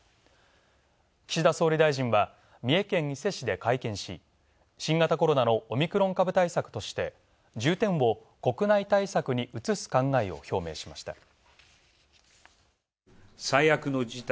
岸田総理大臣は三重県伊勢市で会見し、新型コロナのオミクロン株対策として重点を国内対策に移す考えを表明しました。